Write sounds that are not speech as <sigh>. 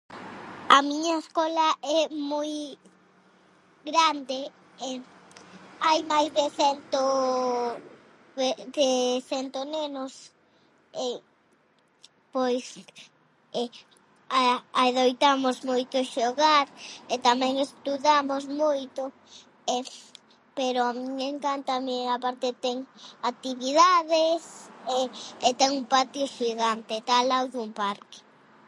A miña escola é moi grande e hai máis de cento de cento nenos <hesitation> pois <hesitation> ad- adoitamos moito xogar e tamén estudamos moito, <hesitation> pero a min encántame, a parte ten actividades <hesitation> e ten un patio xigante, está ao lado dun parque.